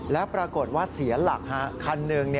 แล้วปรากฏว่าเสียหลักคันหนึ่ง